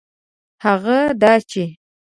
هغه دا چي